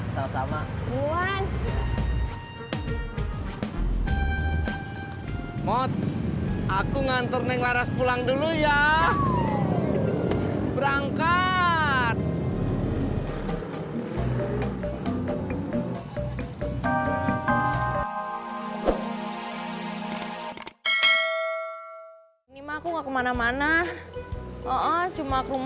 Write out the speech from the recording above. sampai jumpa di video selanjutnya